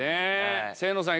清野さん